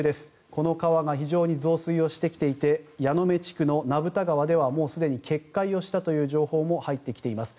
この川が非常に増水してきていて矢目地区の名蓋川ではすでに決壊しているという情報も入ってきています。